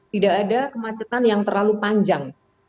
tidak ada kemacetan yang terlalu panjang